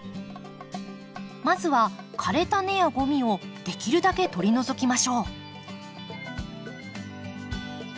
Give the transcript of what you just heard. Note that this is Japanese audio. まずは枯れた根やゴミをできるだけ取り除きましょう。